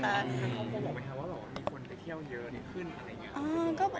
มีคนไปเที่ยวเยอะหรือขึ้นอะไรอย่างนี้